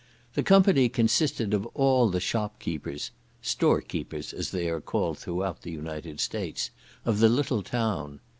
The company consisted of all the shop keepers (store keepers as they are called throughout the United States) of the little town.